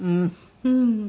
うん。